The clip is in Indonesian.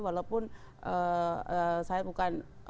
walaupun saya bukan